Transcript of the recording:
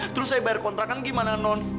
terus saya bayar kontrakan gimana non